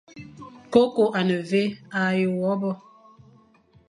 Koko a ne vé, a ye wo bi.